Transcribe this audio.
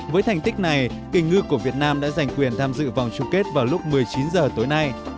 với thành tích này kỳ ngư của việt nam đã giành quyền tham dự vòng chung kết vào lúc một mươi chín h tối nay